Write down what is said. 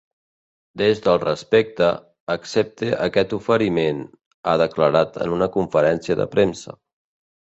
Des del respecte, accepte aquest oferiment, ha declarat en una conferència de premsa.